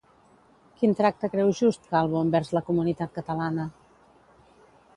Quin tracte creu just Calvo envers la comunitat catalana?